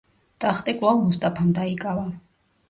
ტახტი კვლავ მუსტაფამ დაიკავა.